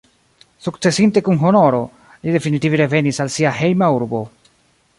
Sukcesinte kun honoro, li definitive revenis al sia hejma urbo.